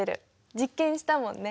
実験したもんね。